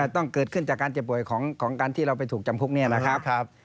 ต้องเกิดขึ้นจากการเจ็บป่วยของการที่เราไปถูกจำคุกเนี่ยนะครับ